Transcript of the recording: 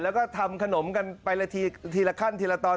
แล้วก็ทำขนมกันไปละทีละขั้นทีละตอน